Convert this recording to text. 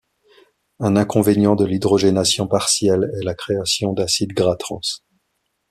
Un inconvénient de l'hydrogénation partielle est la création d'acides gras trans.